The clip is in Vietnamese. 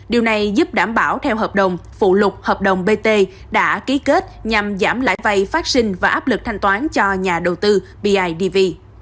điều này giúp đảm bảo theo hợp đồng phụ lục hợp đồng bt đã ký kết nhằm giảm lãi vay phát sinh và áp lực thanh toán cho nhà đầu tư bidv